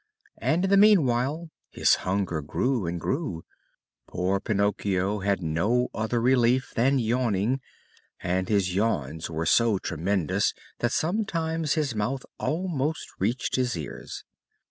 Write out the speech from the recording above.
And in the meanwhile his hunger grew and grew. Poor Pinocchio had no other relief than yawning, and his yawns were so tremendous that sometimes his mouth almost reached his ears.